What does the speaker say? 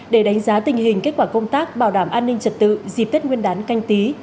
để đánh giá tình hình kết quả công tác bảo đảm an ninh trật tự dịp tết nguyên đán canh tí